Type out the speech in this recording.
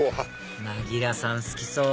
なぎらさん好きそう！